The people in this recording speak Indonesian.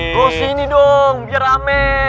lo sini dong biar rame